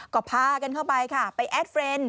ก็พากันเข้าไปค่ะไปแอดเฟรนด์